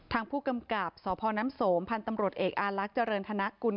ทางผู้กำกับสพน้ำสมพันธ์ตำรวจเอกอาลักษ์เจริญธนกุล